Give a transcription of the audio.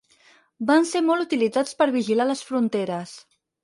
Van ser molt utilitzats per vigilar les fronteres.